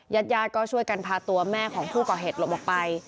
ญาติญาติก็ช่วยกันพาตัวแม่ของผู้ก่อเหตุหลบออกไป